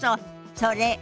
それ。